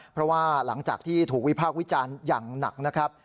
เพราะว่าหลังจากที่ถูกวิพากษ์วิจารณ์อย่างหนักนะครับ